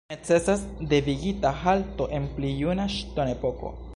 Necesas devigita halto en pli juna ŝtonepoko.